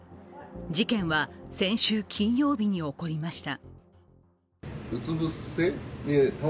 事件は先週金曜日に起こりました。